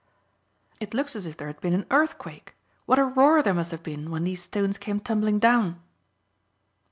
"It looks as if there had been an earthquake. What a roar there must have been when these stones came tumbling down!"